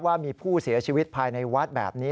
ว่ามีผู้เสียชีวิตภายในวัดแบบนี้